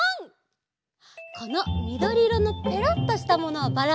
このみどりいろのペロッとしたものをバランっていうんだよね。